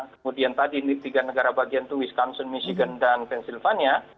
kemudian tadi di tiga negara bagian itu wisconsin michigan dan pennsylvania